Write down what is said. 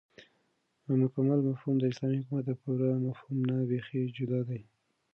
مكمل مفهوم داسلامي حكومت دپوره مفهوم نه بيخي جدا دى